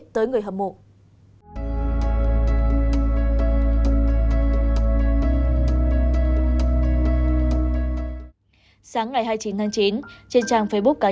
tới người hâm mộ